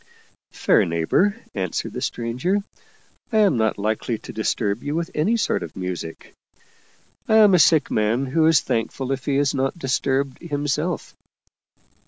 " Fair neighbor," answered the stranger, " I am not likely to disturb you with any sort of music. I am a sick man who is thankful if he is not disturbed himself."